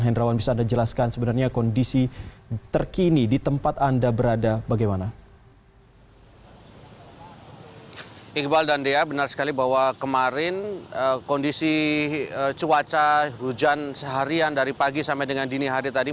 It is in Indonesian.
hendrawan bisa anda jelaskan sebenarnya kondisi terkini di tempat anda berada bagaimana